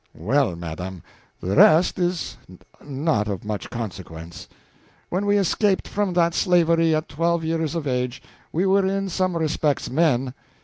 "Well, madam, the rest is not of much consequence. When we escaped from that slavery at twelve years of age, we were in some respects men.